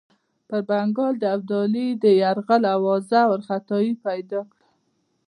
پر بنګال د ابدالي د یرغل آوازو وارخطایي پیدا کړه.